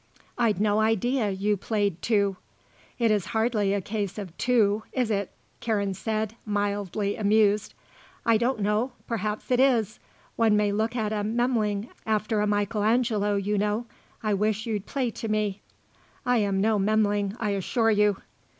"I'd no idea you played, too." "It is hardly a case of 'too', is it," Karen said, mildly amused. "I don't know. Perhaps it is. One may look at a Memling after a Michael Angelo, you know. I wish you'd play to me." "I am no Memling, I assure you."